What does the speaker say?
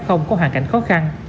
có hoàn cảnh khó khăn